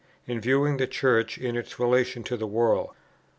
in viewing the Church in its relation to the world.